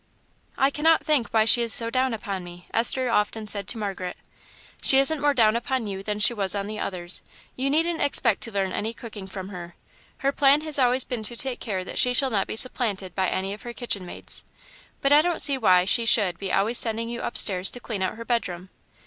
"I cannot think why she is so down upon me," Esther often said to Margaret. "She isn't more down upon you than she was on the others. You needn't expect to learn any cooking from her; her plan has always been to take care that she shall not be supplanted by any of her kitchen maids. But I don't see why she should be always sending you upstairs to clean out her bedroom.